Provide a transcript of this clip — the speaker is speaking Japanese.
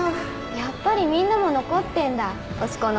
やっぱりみんなも残ってんだ押コンの本選。